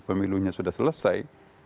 pemilunya sudah selesai